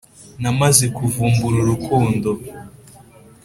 namaze kuvumbura urukundo